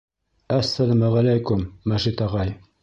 — Әссәләмәғәләйкүм, Мәжит ағай!